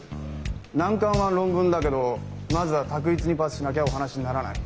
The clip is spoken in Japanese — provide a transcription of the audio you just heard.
難関は論文だけどまずは択一にパスしなきゃお話にならない。